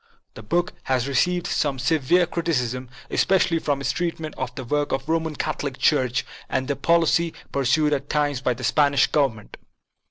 The book has received some severe criticism, especially for its treatment of the work of the Roman Catholic Church and the policy pur sued at times by the Spanish Government.